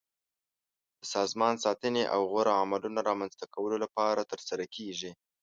د سازمان ساتنې او غوره عملونو رامنځته کولو لپاره ترسره کیږي.